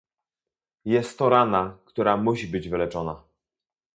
Jest to rana, która musi być wyleczona